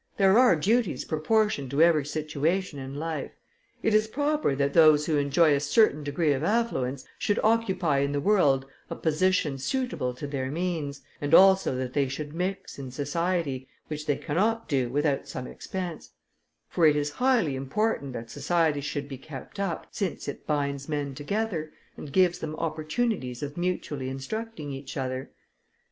There are duties proportioned to every situation in life. It is proper that those who enjoy a certain degree of affluence, should occupy in the world a position suitable to their means, and also that they should mix in society, which they cannot do without some expense; for it is highly important that society should be kept up, since it binds men together, and gives them opportunities of mutually instructing each other.